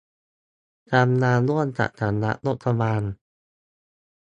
ทำงานร่วมกับสำนักงบประมาณ